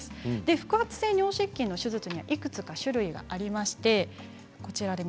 腹圧性尿失禁の手術にはいくつか種類があります。